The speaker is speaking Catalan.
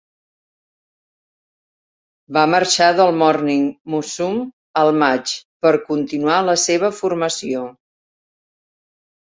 Va marxar del Morning Musume al maig per continuar la seva formació.